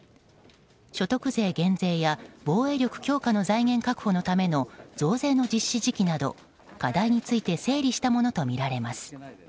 所得税減税や防衛力強化の財源確保のための増税の実施時期など課題について整理したものとみられます。